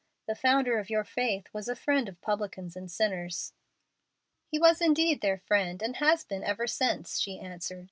The Founder of your faith was a friend of publicans and sinners." "He was indeed their friend, and has been ever since," she answered.